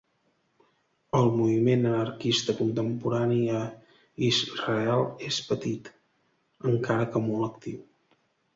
El moviment anarquista contemporani a Israel és petit, encara que molt actiu.